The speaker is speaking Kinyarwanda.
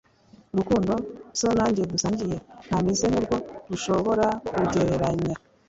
urukundo so nanjye dusangiye, ntameze nkurwo rushobora kugereranya